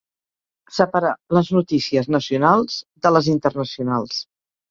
Separar les notícies nacionals de les internacionals.